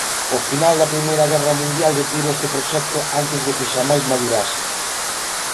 O final da I Guerra Mundial detivo este proxecto antes de que xamais madurase.